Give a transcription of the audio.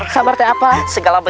sabar teh apa